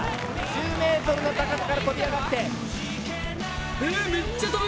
１０ｍの高さから飛び上がって。